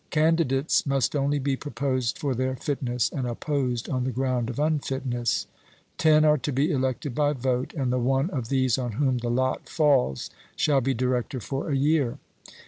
Candidates must only be proposed for their fitness, and opposed on the ground of unfitness. Ten are to be elected by vote, and the one of these on whom the lot falls shall be director for a year.